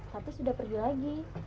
tapi sudah pergi lagi